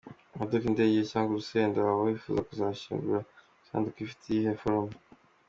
Imodoka, indege, cyangwa urusenda - waba wifuza kuzashingurwa mu isanduku ifite iyihe foroma?.